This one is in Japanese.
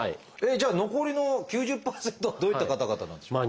じゃあ残りの９０％はどういった方々なんでしょう？